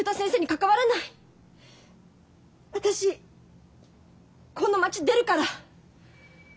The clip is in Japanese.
私この町出るから。